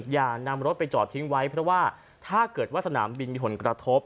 อย่านำรถไปจอดทิ้งไว้เพราะว่าถ้าเกิดว่าสนามบินมีผลกระทบ